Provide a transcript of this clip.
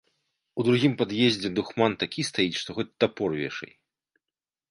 У другім пад'ездзе духман такі стаіць, што хоць тапор вешай.